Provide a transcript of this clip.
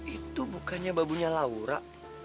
itu bukannya babunya laura